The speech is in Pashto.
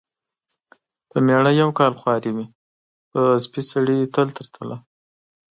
پر مېړه یو کال خواري وي ، پر سپي سړي تل تر تله .